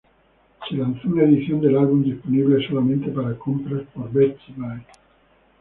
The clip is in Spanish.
Se lanzó una edición del álbum disponible solamente para compras por Best Buy.